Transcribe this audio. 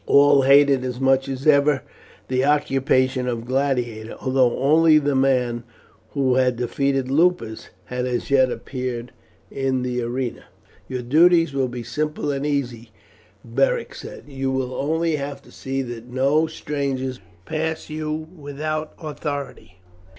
All hated as much as ever the occupation of gladiator, although only the man who had defeated Lupus had as yet appeared in the arena. "Your duties will be simple and easy," Beric said. "You will only have to see that no strangers pass you without authority.